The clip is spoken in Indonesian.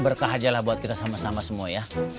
berkah aja lah buat kita sama sama semua ya